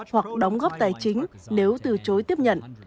hoặc đóng góp tài chính nếu từ chối tiếp nhận